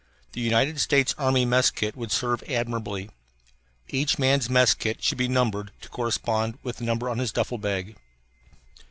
The United States Army mess kit would serve admirably. Each man's mess kit should be numbered to correspond with the number on his duffel bag.